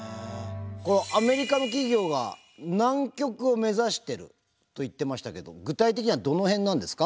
アメリカの企業が南極を目指してると言ってましたけども具体的にはどの辺なんですか？